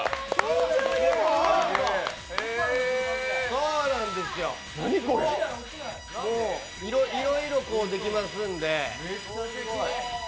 そうなんですよ、いろいろできますんで。